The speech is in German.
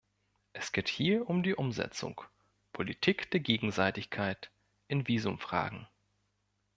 Es geht hier um die Umsetzung Politik der Gegenseitigkeit in Visumfragen.